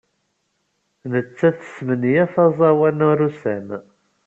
Nettat tesmenyaf aẓawan arusan.